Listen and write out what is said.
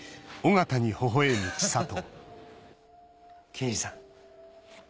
刑事さん。